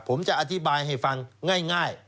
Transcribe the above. ผมจะอธิบายให้ฟังง่าย